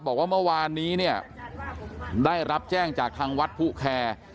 บอกว่าเมื่อวานนี้เนี่ยได้รับแจ้งจากทางวัดผู้แคร์